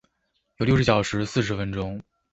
有六十小時四十分鐘